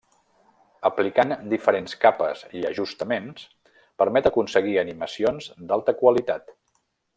Aplicant diferents capes i ajustaments permet aconseguir animacions d'alta qualitat.